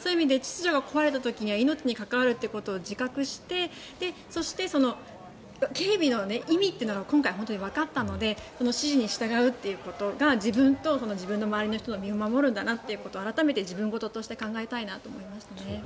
そういう意味で秩序が壊れた時には命に関わることを自覚して警備の意味というのが今回わかったので指示に従うということが自分と自分の周りの人の身を守るんだなということを改めて自分事として考えたいなと思いましたね。